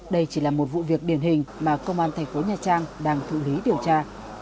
đây chỉ là một vụ việc điển hình mà công an thành phố nha trang đang thụ lý điều tra